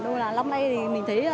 năm nay thì mình thấy